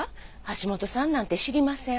橋本さんなんて知りません。